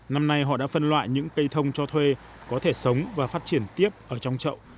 năm nay họ đã phân loại những cây thông cho thuê có thể sống và phát triển tiếp ở trong chậu